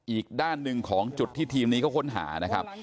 อีกด้านหนึ่งของจุดที่ทีมนี้เขาค้นหานะครับ